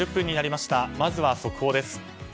まずは速報です。